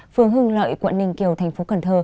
phường hưng lợi quận ninh kiều tp cn